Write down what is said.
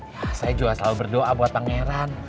ya saya juga selalu berdoa buat pangeran